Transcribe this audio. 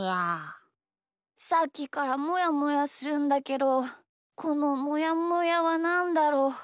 さっきからもやもやするんだけどこのもやもやはなんだろう？